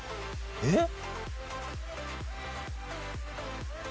えっ？